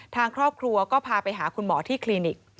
ทางครอบครัวก็พาไปหาคุณหมอที่คลินิก